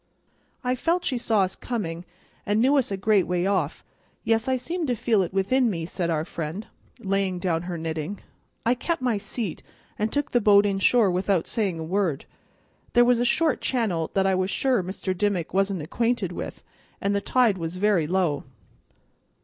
"I felt she saw us coming, and knew us a great way off; yes, I seemed to feel it within me," said our friend, laying down her knitting. "I kept my seat, and took the bo't inshore without saying a word; there was a short channel that I was sure Mr. Dimmick wasn't acquainted with, and the tide was very low.